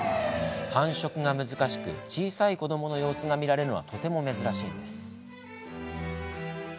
繁殖が難しく、小さい子どもの様子が見られるのはとても珍しいんです。